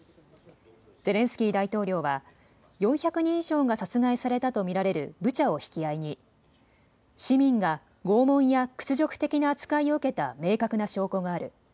ゼレンスキー大統領は４００人以上が殺害されたと見られるブチャを引き合いに、市民が拷問や屈辱的な扱いを受けた明確な証拠がある。